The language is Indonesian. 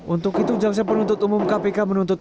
untuk itu jaksa penuntut umum kpk menuntut